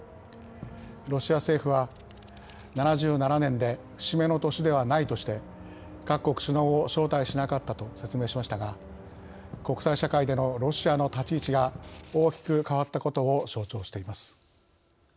ロシア政府は７７年で節目の年ではないとして各国首脳を招待しなかったと説明しましたが国際社会でのロシアの立ち位置が大きく変わったことを象徴しています。